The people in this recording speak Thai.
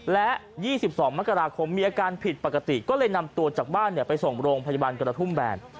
และ๒๒มกราคมมีอาการผิดปกติก็เลยนำตัวจากบ้านไปส่งโรงพยาบาลกระทุ่มแบน